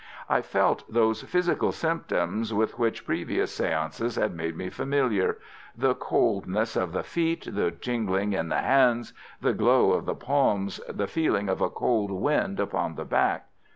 I felt those physical symptoms with which previous séances had made me familiar—the coldness of the feet, the tingling in the hands, the glow of the palms, the feeling of a cold wind upon the back.